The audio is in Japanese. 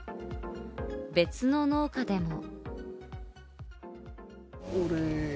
別の農家でも。